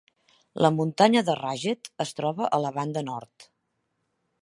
La muntanya de Ragged es troba a la banda nord.